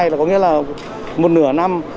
là có nghĩa là một nửa năm